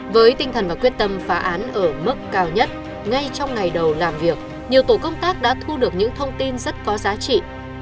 với tinh thần và quyết tâm phá án ở mức cao nhất ngay trong ngày đầu làm việc nhiều tổ công tác đã thu được những thông tin rất có giá trị